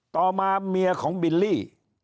ต่อมาเมียของบิลลี่